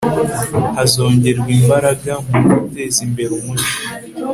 Hazongerwa imbaraga mu guteza imbere umuco